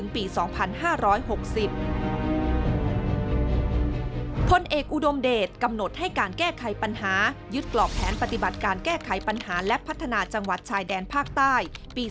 พลเอกอุดมเดชกำหนดให้การแก้ไขปัญหายึดกรอกแผนปฏิบัติการแก้ไขปัญหาและพัฒนาจังหวัดชายแดนภาคใต้ปี๒๕